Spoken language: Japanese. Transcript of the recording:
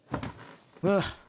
ああ。